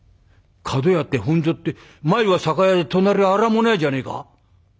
角屋って本所って前は酒屋で隣は荒物屋じゃねえか？」。